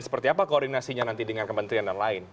seperti apakah keopinasinya dengan ketentrian